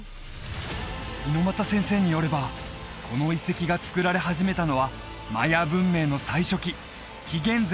猪俣先生によればこの遺跡が造られ始めたのはマヤ文明の最初期紀元前